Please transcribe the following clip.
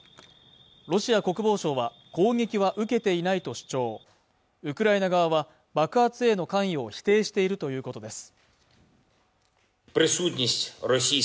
ロシア国防省は攻撃は受けていないと主張ウクライナ側は爆発への関与を否定しているということです